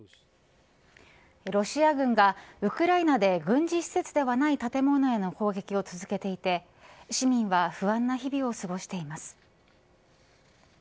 ロシア軍がウクライナで軍事施設ではない建物への攻撃を続けていて市民は不安な日々を過ごしています。